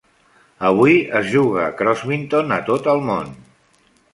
Avui, es juga a crossminton a tot el món.